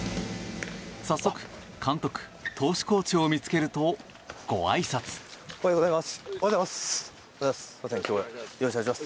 早速、監督、投手コーチを見つけると、ごあいさつ。おはようございます。